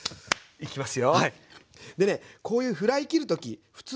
いきます